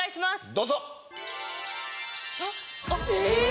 どうぞ！